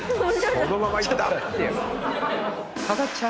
そのままいった！